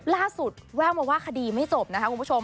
ล่าสุดแววมาว่าคดีไม่สบนะคะคุณผู้ชม